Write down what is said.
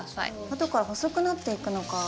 後から細くなっていくのか。